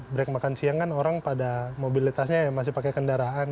break makan siang kan orang pada mobilitasnya masih pakai kendaraan